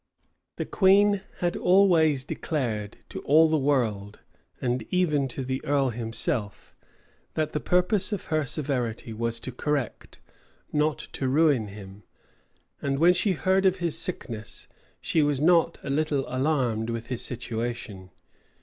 The queen had always declared to all the world, and even to the earl himself, that the purpose of her severity was to correct, not to ruin him;[*] and when she heard of his sickness, she was not a little alarmed with his situation.